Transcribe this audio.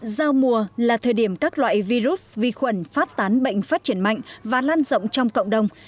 giao mùa là thời điểm các loại virus vi khuẩn phát tán bệnh phát triển mạnh và lan rộng trong cộng đồng